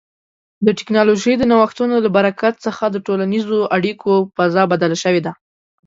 د ټکنالوژۍ د نوښتونو له برکت څخه د ټولنیزو اړیکو فضا بدله شوې ده.